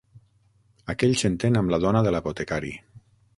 Aquell s'entén amb la dona de l'apotecari.